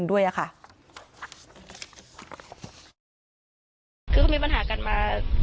เพราะไม่เคยถามลูกสาวนะว่าไปทำธุรกิจแบบไหนอะไรยังไง